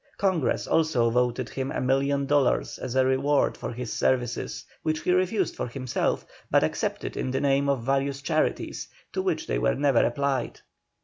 Congress also voted him a million of dollars as a reward for his services, which he refused for himself, but accepted in the name of various charities, to which they were never applied.